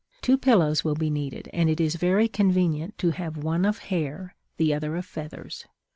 Two pillows will be needed, and it is very convenient to have one of hair, the other of feathers.